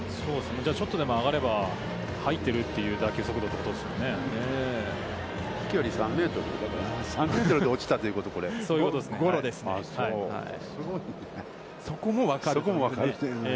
ちょっとでも上がれば入ってるという打球速度ということですよね。